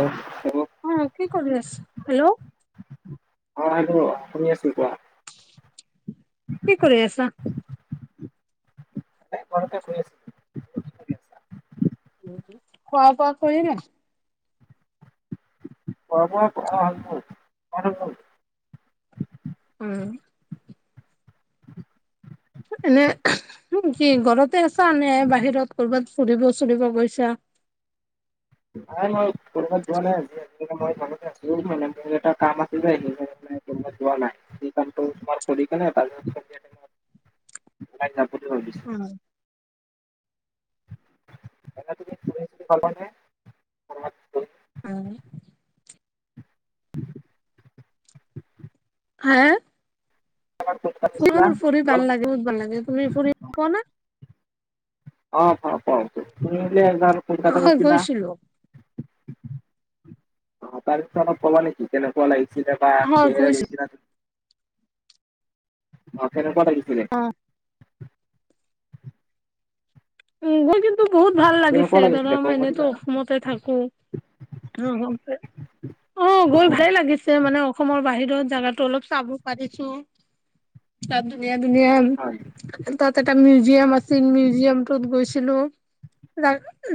এইবোৰ অঁ, কি কৰি আছে? হেল্ল'। অঁ হেল্ল' শুনি আছো কোৱা। কি কৰি আছা? এনে ঘৰতে বহি আছোঁ। খোৱা বোৱা কৰিলা নাই? খোৱা বোৱা অঁ' [unintelligible] উম। এনে কি ঘৰতে আছা নে বাহিৰত কৰ'বাত ফুৰিব-চুৰিব গৈছা? নাই মই ক'বাত যোৱা নাই, আজিকালি মই ঘৰতে আছোহি মানে মোৰ এটা কাম আছিলে যে সেইকাৰণে যোৱা নাই, সেই কামটো তোমাৰ কৰি কেনে [unintelligible] তাইক যাব বুলি ভাবছো। উম। এনেই তুমি ফুৰি-চুৰি ভাল পায় নে? উম। [unintelligible] হা? [unintelligible] মোৰ ফুৰি মই ভাল লাগে বহু ভাল লাগে, তুমি ফুৰি পোৱা না? অঁ, পাওঁ পাওঁ, তুমি যে একবাৰ পইচাটো হয় পাইছিলা গৈছিলো অঁ, তাৰ বিষয় অলপ কবা নেকি কেনেকুৱা লাগিছিলে। তাত হয় কিহেৰে গৈছো গৈছিলা তুমি। অঁ কেনেকুৱা লাগিছিলে? [unintelligible] উমঁ, গৈ কিন্তু বহুত ভাল কেনেকুৱা লাগিছে, ধৰা লাগিছিলে ক'ব পাৰিবা? এনেতো অসমতে থাকো। [unintelligible] অঁ, গৈ ভালে লাগিছে মানে অসমৰ বাহিৰত জাগাটো অলপ চাব পাৰিছো, তাত ধুনীয়া-ধুনীয়া হয়। তাত এটা মিউজিয়াম আছিল মিউজিয়াম টোত গৈছিলো,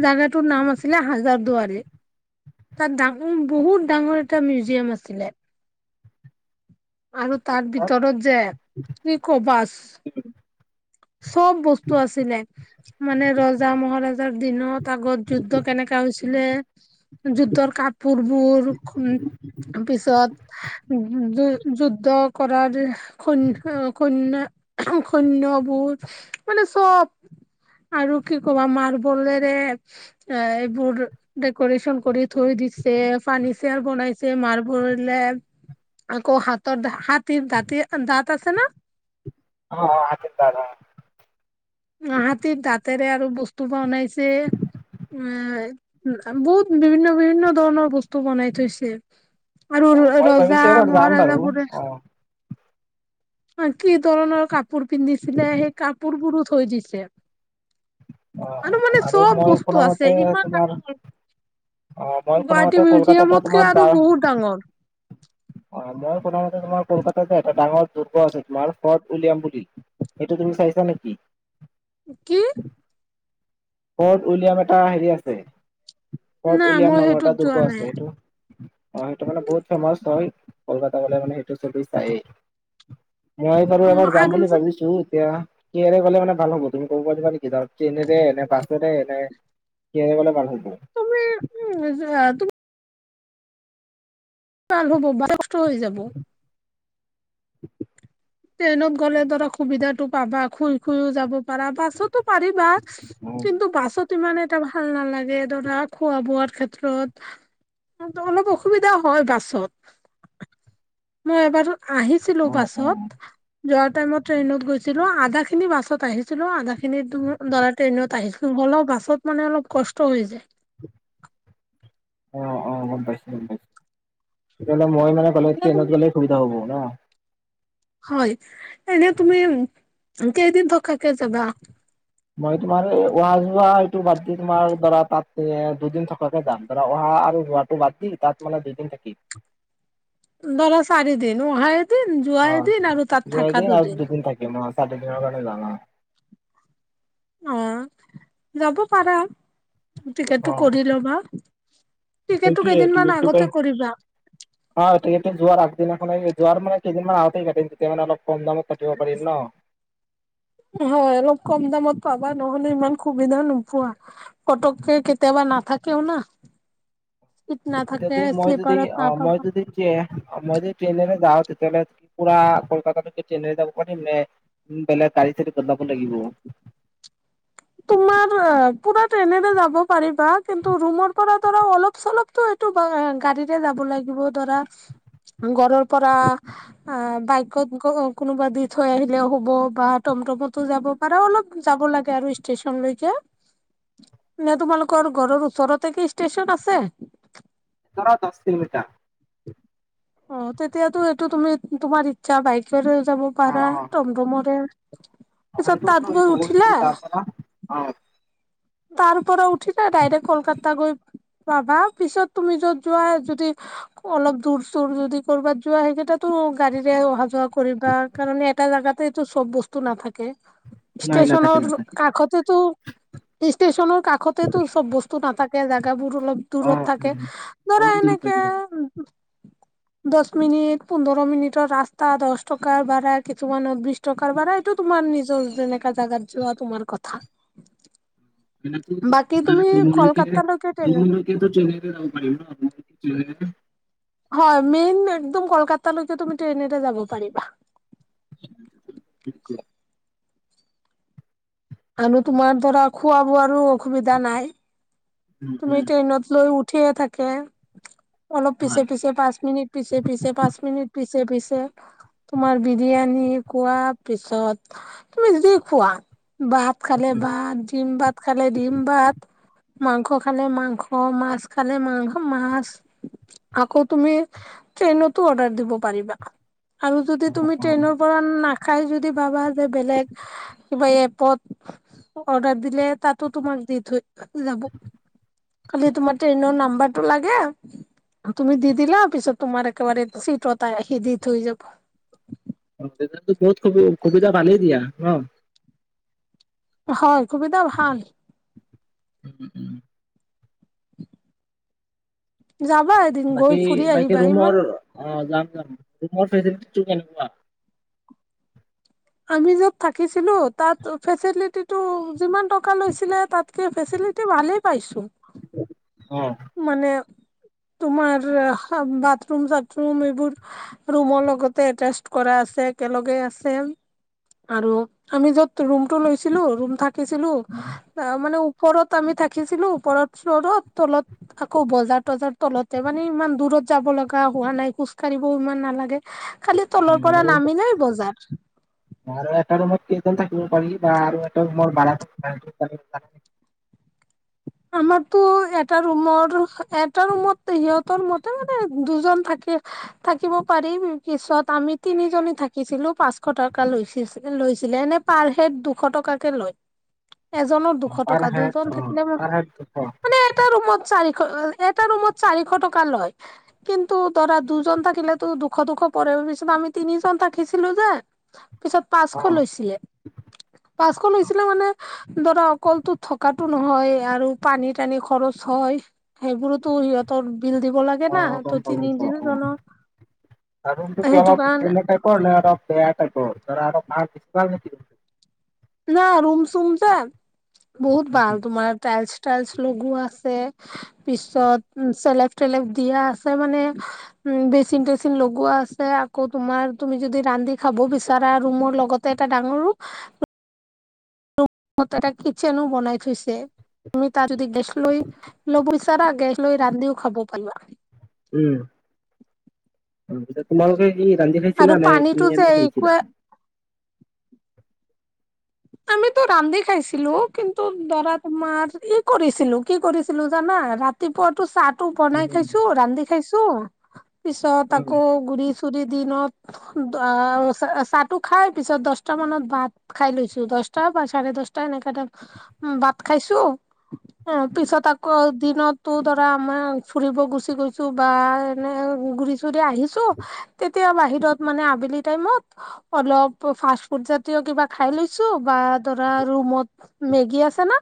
জাগা টোৰ নাম আছিলে হাজাৰ দুৱাৰী। তাত ডাঙৰ বহুত ডাঙৰ এটা মিউজিয়াম আছিলে। আৰু তাৰ অ', ভিতৰত যে কি কবা চ'ব বস্তু আছিলে। মানে ৰজা মহাৰজাৰ দিনত আগত যুদ্ধ কেনেকা হৈছিলে। যুদ্ধৰ কাপোৰবোৰ পিছত যুদ্ধ কৰাৰ কূন্যা সৈন্যবোৰ মানে চ'ব আৰু কি ক'বা মাৰ্বলৰে এইবোৰ ডেক'ৰেচন কৰি থৈ দিছে। ফাৰ্নিচাৰ বনাইছে মাৰ্বলে। আকৌ হাতৰ হাতীৰ দাঁতিৰ দাঁত আছে না? অ অ, হাতিৰ দাত অ। অ হাতীৰ দাঁতেৰে আৰু বস্তু বনাইছে। উম। বহুত বিভিন্ন বিভিন্ন ধৰণৰ বস্তু বনাই থৈছে। আৰু অ', মই ৰজা ভাবিছোঁ এবাৰ যাম বাৰু মহাৰাজা অ', বোৰে অ', আৰু কি ধৰণৰ কাপোৰ পিন্ধিছিলে। সেই কাপোৰ বোৰো থৈ দিছে। অ', আৰু মানে চব মই বস্তু আছে। শুনামতে ইমান ডা তোমাৰ অ, মই শুনা মতে কলকাতাটা মিউজিয়ামতকে তোমাৰ আৰু দা বহুত ডাঙৰ অ মই শুনা মতে তোমাৰ কলকাতাত যে এটা ডাঙৰ দু আছে তোমাৰ, ফৰ্ট উলিয়াম বুলি। এইটো তুমি চাইছা নেকি? কি? ফৰ্ট উইলিয়াম এটা হেৰি আছে। না ফৰ্ট মই উইলিয়াম নামৰ সেইটোত এটা যোৱা দুৰ্গ নাই আছে, সেইটো। অ সেইটো মানে বহুত ফেমাচ হয়। কলকাতা গলে মানে সেইটো ছবি চায়েই। মই বাৰু অ এবাৰ যাম আৰু বুলি যে ভাবিছো এতিয়া, কিহেৰে গ'লে মানে ভাল হ'ব তুমি ক'ব পাৰিবা নেকি ধৰ? ট্ৰেইনেৰে নে, বাছেৰে নে কিহেৰে গ'লে ভাল হব? [unintelligible] ভাল হ'ব বা কষ্ট হৈ যাব। ট্ৰেইনত গ'লে ধৰা সুবিধাটো পাবা। শুই শুইও যাব পাৰা বাছতো পাৰিবা উম, কিন্তু বাছত টো ইমানে এটা ভাল নালাগে ধৰা, খোৱা বোৱাৰ ক্ষেত্ৰত অলপ অসুবিধাও হয় বাছত। মই এবাৰো আহিছিলো উম, উম। বাছত। যোৱা টাইমত ট্ৰেইনত গৈছিলো। আধা খিনি বাছত আহিছিলো, আধা খিনি ধৰা ট্ৰেইনত আহি অলপ বাছত মানে অলপ কষ্ট হৈ যায়। অ অ, গম পাইছো গম পাইছো। তেতিয়া হলে মই মানে এনে ট্ৰেইনত তুমি গলে সুবিধা হব ন। হয়। এনেই তুমি কেইদিন থকাকে যাবা? মই তোমাৰ এই অহা যোৱা এইটো বাদ দি তোমাৰ ধৰা তাতে দুদিন থকাকে যাম ধৰা। অহা আৰু যোৱাত বাদ দি, তাত মানে দুইদিন থাকি ধৰা চাৰিদিন। উহা এদিন যোৱা এদিন আৰু তাত থাকা দুদিন। চাৰি দিনৰ কাৰণে যাম অ। অ যাব পাৰা। টিকেটটো অ'। কৰি লবা। টিকেটটো সেইটোৱে কেইদিনমান আগতে টিকটটোকে। কৰিবা অ টিকেটটো যোৱাৰ আগদিনাখনে যোৱাৰ মানে কেইদিনমান আগতে কাটিম। তেতিয়া মানে অলপ কম দামত কাটিব পাৰিম ন। হয়। অলপ কম দামত পাবা, নহ'লে ইমান সুবিধা নোপোৱা। পতককে কেতিয়াবা নাথাকেওনা? চিত এতিয়া নাথাকে, যদি মই যদি স্লিপাৰত অ নাপাবা। যদি মই যদি ট্ৰেইনেৰে যাওঁ, তেতিয়াহ'লে পুৰা কলকাতালৈকে ট্ৰেইনেৰে যাব পাৰিম নে উম বেলেগ গাড়ী চাড়ী বদলাব লাগিব? তোমাৰ পুৰা ট্ৰেইনেৰে যাব পাৰিবা কিন্তু ৰুমৰ পৰা ধৰা অলপ চলপতো টো বা গাড়ীৰে যাব লাগিব ধৰা। ঘৰৰ পৰা আ বাইকত [unintelligible] কোনোবা দি থৈ আহিলে হ'ব বা টমটমতো যাব পাৰা। অলপ যাব লাগে আৰু ষ্টেচন লৈকে নে তোমালোকৰ ঘৰৰ ওচৰতে কি ষ্টেচন আছে। ধৰা দহ কিলোমিটাৰ। অ তেতিয়াতো এইটো তুমি তোমাৰ ইচ্ছা বাইকেৰে যাব অ পাৰা টমটমৰে। [inaudible] তাত গৈ উঠিলা [unintelligible] তাৰ পৰা উঠিলা ডাইৰেক্ট কলকাতা গৈ পাবা পিছত তুমি যত যোৱা যদি অলপ দূৰ চুৰ যদি কৰবাত যোৱা সেইকেইটাতো গাড়ীৰে অহা যোৱা কৰিবা কাৰণ এটা জাগাতেটো চব বস্তু নাথাকে। নাই নাথাকে ষ্টেচনৰ নাথাকে কাষতেটো। ষ্টেচনৰ কাষতেতো চব বস্তু নাথাকে জোগাবোৰ অলপ অ দূৰত থাকে উম। ধৰা অলপ দূৰত এনেকে থাকিব উম। [inaudible] দহ মিনিট পোন্ধৰ মিনিটৰ ৰাস্তা দহ টকা ভাড়া কিছুমানৰ বিছ টকাৰ ভাড়া এইটো তোমাৰ নিজৰ যেনেকা জাগাত যোৱা তোমাৰ কথা। [unintelligible] বাকী তুমি কিন্তু চেন্নাই কলকাতালৈকে ৰে ট্ৰেইনত যাব পাৰিব ন চেন্নাইৰ। হয় মেইন একদম কলকাতালৈকে তুমি ট্ৰেইনেৰে যাব পাৰিবা। আমি তোমাৰ ধৰা খোৱা বোৱাৰো অসুবিধা নাই। উম তুমি উম ট্ৰেইনত লৈ উঠিয়ে থাকে। অলপ পিছে হয়। পিছে পাঁচ মিনিট পিছে পিছে পাঁচ মিনিট পিছে পিছে। তোমাৰ বিৰিয়ানী খোৱা পিছত তুমি যি খোৱা বাত খালে ভাত ডিম ভাত খালে ডিম ভাত মাংস খালে মাংস মাছ খালে মাংস মাছ আকৌ তুমি। ট্ৰেইনতো অৰ্ডাৰ দিব পাৰিবা আৰু যদি তুমি অ ট্ৰেইনৰ পৰা না খাই যদি ভাবা যে বেলেগ কিবা এপত। অৰ্ডাৰ দিলে তাতো তোমাক দি থৈ যাব। খালি তোমাৰ ট্ৰেইনৰ নাম্বাৰ টো লাগে। তুমি দি দিলা পিছত তোমাৰ একেবাৰে চিটত আহি দি থৈ যাব। অ তেতিয়াতো বহুত সু সুবিধা ভালেই দিয়া ন। হয় সুবিধা ভাল। [unintelligible] যাবা। এদিন গৈ বাকী ফুৰি বাকী আহিবা ইমান ৰুমৰ অ যাম যাম ৰুমৰ ফেচিলিটিতো কেনেকুৱা? আমি য'ত থাকিছিলোঁ তাত ফেচিলিটি ত যিমান টকা লৈছিলে তাতকে ফেচিলিটি ভালেই পাইছোঁ। অঁ' মানে তোমাৰ বাথৰুম চাথৰুম এইবোৰ ৰুমৰ লগতে এটেচ কৰা আছে একেলগে আছে। আৰু আমি য'ত ৰুমটো লৈছিলোঁ ৰুম থা থাকিছিলোঁ ত মানে ওপৰত আমি থাকিছিলোঁ ওপৰৰ ফ্ৰত ফ্লোৰত তলত আকৌ বজাৰ তজাৰ তলতে মানে ইমান দূৰত যাব লগা হোৱা নাই খোজ কঢ়িবও ইমান নালাগে। খালি তলৰ উম পৰা আৰু নামিলেই বজাৰ। আৰু এটা ৰুমত কেইজন থাকিব পাৰি বা আৰু এটা ৰুমৰ ভাৰাটো আমাৰতো এটা ৰুমৰ এটা ৰুমত সিহঁতৰ মতে মানে দুজন থাকে। থাকিব পাৰিম পিছত আমি তিনিজনী থাকিছিলোঁ পাঁচশ টকা লৈছি-লৈছিলে এনে পাৰ হেড দুশ টকাকে লয়। এজনৰ দুশ পাৰ টকা হেড অ দুজন থাকিলে মা- পাৰ হেড দুশ অ মানে এটা ৰুমত চাৰিশ, এটা ৰুমত চাৰিশ টকা লয়। কিন্তু ধৰা দুজন থাকিলেতো দুশ টকা পৰে নিচিনা আমি তিনিজন থাকিছিলোঁ যে পিছত পাঁচশ লৈছিলে। পাঁচশ লৈছিলে মানে ধৰা অকলটো থকাতো নহয় আৰু পানী-টানি খৰচ হয়, সেইবোৰতো সিহঁতৰ বিল দিব লা- অ গম পালোং ক অঁ। সেইটো কাৰণে [unintelligible] [unintelligible] না ৰুম-চুম যে, বহুত উম ভাল তোমাৰ টাইলছ-টাইলছ লগোৱা আছে। পিছত চেলেপ-তেলেভ দিয়া আছে মানে উম' বেচিন-টেচিন লগোৱা আছে আকৌ তুমাৰ তুমি যদি ৰান্ধি খাব বিচাৰা ৰুমৰ লগত তে এটা ডাঙৰ ৰোম [inaudible] তাতে কিটচেনো বনাই থৈছে, তুমি তাতে'দি গেছ লৈ, ল'ব‌ই ত-তা গেছ লৈ ৰান্ধিও খাব পাৰিবা। উম। তাৰপিছত তোমালোকে কি ৰান্ধি আৰু খাইছিলা নে পানীটো কিনি যে আনি একোৱে খাইছিলা? আমিতো ৰান্ধি খাইছিলো কিন্তু ধৰা তোমাৰ ই কৰিছিলোঁ, কি কৰিছিলোঁ জানা? ৰাত- তি-পোৱাটো চাহটো বনাই উম খাইছোঁ ৰান্ধি খাইছোঁ পিছত আকৌ গুৰি-চুৰি দিনত অ' চ-চাহটো খাই পিছত দচটা মানত ভাত খাই লৈছ- দশটা বা চাৰে দশটা এনেকাতে, উম বাঁত খাইছো অ উম পিছত আকৌ দিনত তো ধৰা আমাৰ ফুৰিব গুচি গৈছো বা এনে ঘুৰি-চুৰি আহিছো তেতিয়া বাহিৰত মানে আবেলি টাইমত অলপ ফাষ্টফুড জাতীয় কিবা খাই লৈ ছু বা ধৰা ৰুমত মেগী আছে না'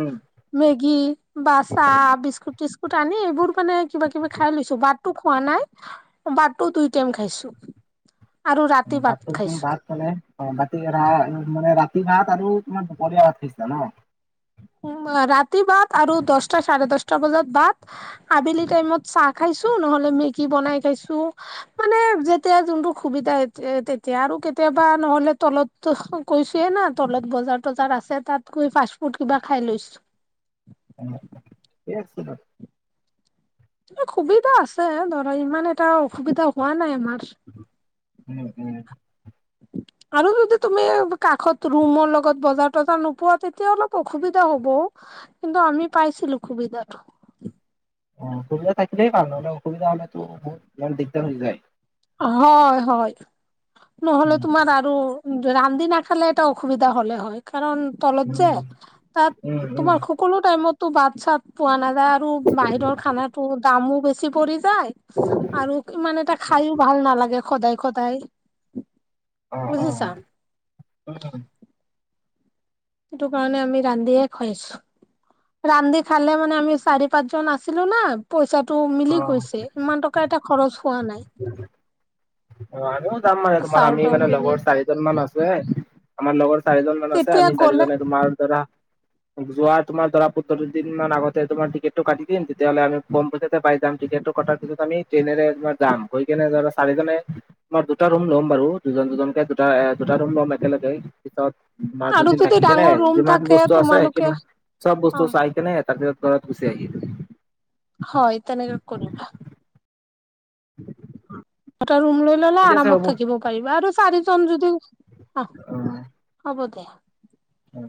উম মেগী বা চাহ, বিস্কুট-টিস্কুট আনি এইবোৰ মানে কিবা-কিবি খাই লৈছো বাট টো খোৱা নাই, বাটো দুই টাইম খাইছো। আৰু ৰাতি ভাত [unintelligible] খাইছো মানে, অ' ৰাতি ভাত আৰু তোমাৰ দুপৰীয়া ভাত খাইছিলা ন? উম্ ৰাতি বাত আৰু দছটা, চাৰে দছটা বজাত বাত আবেলি টাইমত চাহ খাইছো নহলে মেগী বনাই খাইছো। মানে যেতিয়া যোনটো সুবিধা তেতিয়া আৰু কেতিয়াবা নহলে তলত ত কৈছোয়ে না তলত বজাৰ-তজাৰ আছে তাত গৈ ফাষ্ট-ফুড কিবা খাই লৈছো। [unintelligible] সুবিধা আছে ধৰা ইমান এটা অসুবিধা হোৱা নাই আমাৰ। উম্ উম্। [inaudible] আৰু যদি তুমি কাষত ৰুমৰ লগত বজাৰ-তজাৰ নোপোৱা তেতিয়া অলপ অসুবিধা হ'ব। কিন্তু আমি পাইছিলো সুবিধাটো। অ' অসুবিধা থাকিলেই ভাল নহ'লে অসুবিধা হলেতো বহুত ইমান দিগদাৰ হৈ যায়। হয় হয়। নহ'লে উম তোমাৰ আৰু ৰান্দি নাখালে এটা অসুবিধা হলে হয় কাৰণ তলত যে উম তাত উম তোমাৰ খুব কোনো টাইমতো বাত-চাত পোৱা নাযায় আৰু বাহিৰৰ খানাটো দামো বেছি পৰি- যাই, আৰু ইমান এটা খাইয়ো ভাল নালাগে ষদাই-ষদায়। অ অ উ। সেইটোকাৰণে আমি ৰান্ধিয়ে খাইছো। ৰান্ধি খালে মানে আমি চাৰি পাঁচজন আছিলো না। পইচাটো অ মিলি গৈছে ইমান টকা এটা খৰচ হোৱা নাই। অ আমিও যাম মানে তোমাৰ চাউল আমি তাউল মানে কিনি লগৰ চাৰিজন মান আছে। আমাৰ লগৰ চাৰিজন মান আছে তেতিয়া আমি গ'লে চাৰিজন তোমাৰ ধৰা যোৱা তোমাৰ ধৰা পোন্ধৰ দিন আগতে তোমাৰ টিকটটো কাটি দিম তেতিয়াহ'লে আমি কম পইচাতে পাই যাম টিকেট। কটাৰ পিতছ আমি ট্ৰেইনেৰে তোমাৰ যাম গৈ কেনে ধৰা চাৰিজনে মই দুটা ৰুম ল'ম বাৰু দুজন দুজনকে দুটা এ দুটা ৰুম ল'ম একেলগে। পিছত আৰু দুদিন যদি থাকি কেনে ডাঙৰ ৰুম যিমান থাকে বস্তু আছে তোমালোকে কি চব অ বস্তু চাই কেনে তাৰপিছত ঘৰত গুচি আহি হয় ই তনেকে কৰিবা। অ। টা ৰুম লৈ ললে আৰামত থাকিব পাৰিবা আৰু চাৰিজন যদি আহ হ'ব দিয়া। উম।